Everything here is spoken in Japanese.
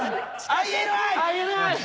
ＩＮＩ！